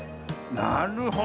なるほど。